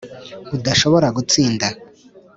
udashobora gutsinda.